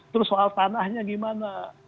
terus soal tanahnya gimana